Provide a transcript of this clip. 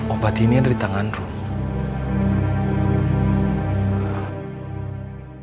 obat ini ada di tangan rumah